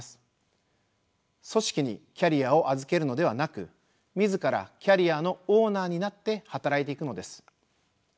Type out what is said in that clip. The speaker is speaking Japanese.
組織にキャリアを預けるのではなく自らキャリアのオーナーになって働いていくのです。